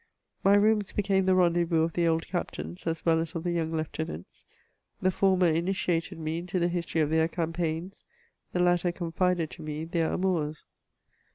My rooms became the rendezvous of the old captains as well as of the young Heutenants ; the former initiated me into the history of their campaigns ; the latter confided to me their amours.